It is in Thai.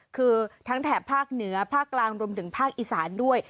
คือทั้งแถบภาคเหนือภาคกลางรวมถึงภาคอีสานด้วย